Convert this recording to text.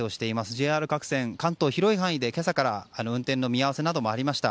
ＪＲ各線、関東広い範囲で今朝から運転見合わせなどもありました。